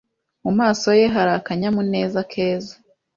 Mu maso ye hari akanyamuneza keza.